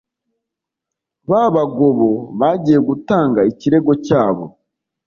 Babagobo bajyiye gutanga ikirego cyabo